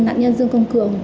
nạn nhân dương công cường